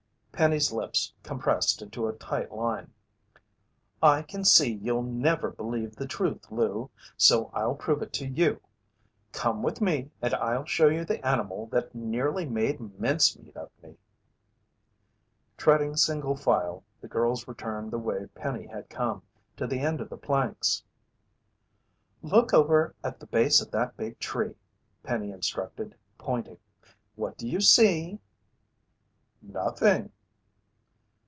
Penny's lips compressed into a tight line. "I can see you'll never believe the truth, Lou. So I'll prove it to you! Come with me, and I'll show you the animal that nearly made mince meat of me." Treading single file, the girls returned the way Penny had come, to the end of the planks. "Look over at the base of that big tree," Penny instructed, pointing. "What do you see?" "Nothing."